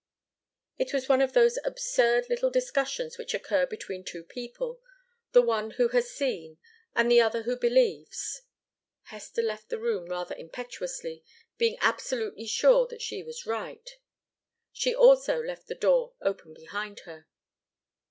It was one of those absurd little discussions which occur between two people, the one who has seen, and the other who believes. Hester left the room rather impetuously, being absolutely sure that she was right. She, also, left the door open behind her.